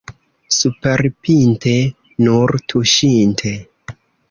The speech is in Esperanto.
Superpinte — nur tuŝinte.